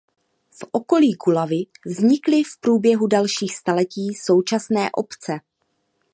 V okolí Gudavy vznikly v průběhu dalších staletí současné obce.